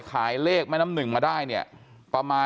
ความปลอดภัยของนายอภิรักษ์และครอบครัวด้วยซ้ำ